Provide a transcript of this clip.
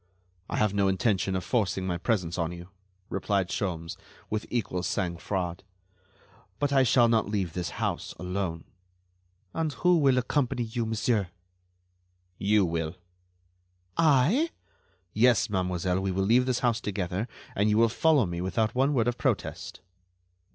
"I have no intention of forcing my presence on you," replied Sholmes, with equal sang froid, "but I shall not leave this house alone." "And who will accompany you, monsieur?" "You will." "I?" "Yes, mademoiselle, we will leave this house together, and you will follow me without one word of protest."